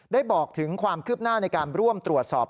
บอกถึงความคืบหน้าในการร่วมตรวจสอบ